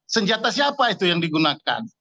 senjata siapa itu yang digunakan